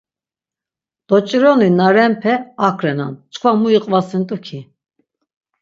Doç̆ironi na renpe ak renan, çkva mu iqvasint̆u ki?